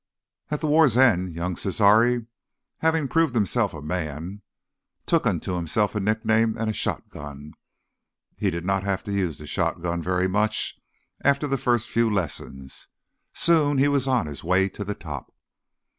At the war's end, young Cesare, having proven himself a man, took unto himself a nickname and a shotgun. He did not have to use the shotgun very much, after the first few lessons; soon he was on his way to the top.